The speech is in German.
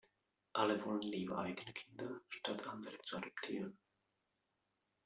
Alle wollen lieber eigene Kinder, statt andere zu adoptieren.